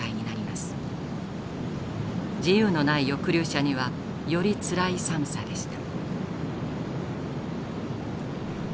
自由のない抑留者にはよりつらい寒さでした。